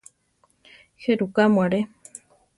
¿Jéruka mu aré?